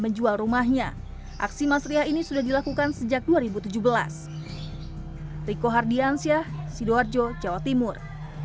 menjual rumahnya aksi mas riah ini sudah dilakukan sejak dua ribu tujuh belas riko hardiansyah sidoarjo jawa timur